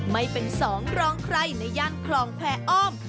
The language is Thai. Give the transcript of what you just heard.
ไม่เป็นสองรองใครในย่านคลองแพอ้อม